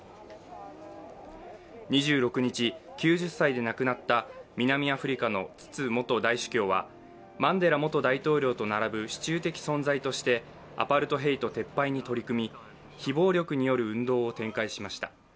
２６日、９０歳で亡くなった南アフリカのツツ元大主教はマンデラ元大統領と並ぶ支柱的存在としてアパルトヘイト撤廃に取り組み、非暴力による運動を展開しました。